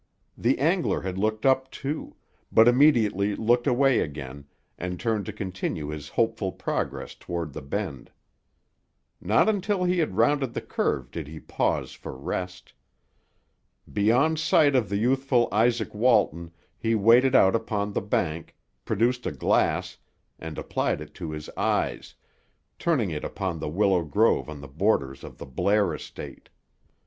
The angler had looked up, too; but immediately looked away again, and turned to continue his hopeful progress toward the bend. Not until he had rounded the curve did he pause for rest. Beyond sight of the youthful Izaak Walton, he waded out upon the bank, produced a glass, and applied it to his eyes, turning it upon the willow grove on the borders of the Blair estate.